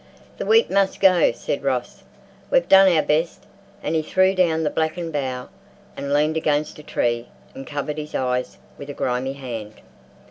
"The wheat must go," said Ross. "We've done our best," and he threw down the blackened bough and leaned against a tree, and covered his eyes with a grimy hand.